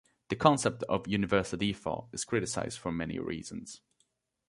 The concept of universal default is criticized for many reasons.